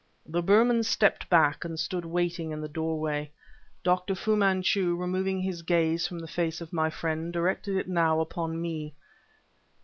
The Burman stepped back and stood waiting in the doorway. Dr. Fu Manchu, removing his gaze from the face of my friend, directed it now upon me.